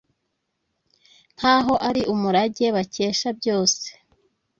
Nk’aho ari umurage bakesha byose